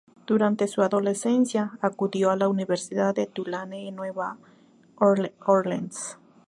Durante su adolescencia, acudió a la Universidad de Tulane en Nueva Orleans.